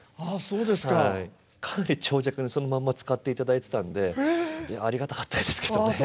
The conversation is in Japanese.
かなり長尺にそのまんま使っていただいてたんでありがたかったですけどね。